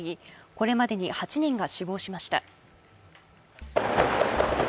これまでに８人が死亡しました。